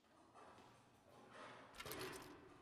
La película fue recibida con grandes elogios.